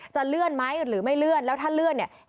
เลื่อนไหมหรือไม่เลื่อนแล้วถ้าเลื่อนเนี่ย